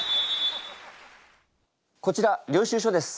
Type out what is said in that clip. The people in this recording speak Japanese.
こちら領収書です。